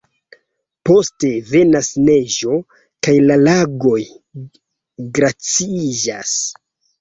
Poste venas neĝo kaj la lagoj glaciiĝas.